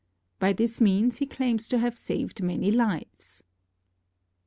By this means he claims to have saved many lives.